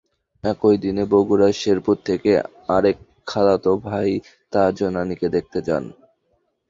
একই দিনে বগুড়ার শেরপুর থেকে আরেক খালাতো ভাই তাজও নানিকে দেখতে যান।